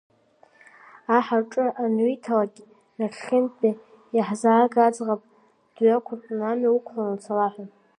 Аҳ аҽы ануиҭалакь, нахьхьынтәи иааҳзаг аӡӷаб дҩақәыртәаны амҩа уқәланы уцала ҳәа.